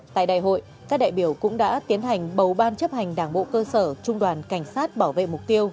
tại đại hội các đại biểu cũng đã tiến hành bầu ban chấp hành đảng bộ cơ sở trung đoàn cảnh sát bảo vệ mục tiêu